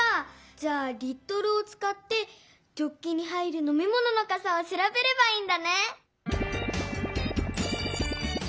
じゃあ「リットル」をつかってジョッキに入るのみものの「かさ」をしらべればいいんだね！